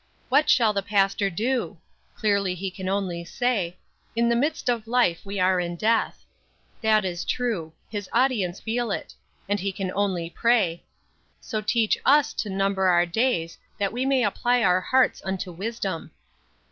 What shall the pastor do? Clearly he can only say, "In the midst of life we are in death." That is true; his audience feel it; and he can only pray: "So teach us to number our days that we may apply our hearts unto wisdom."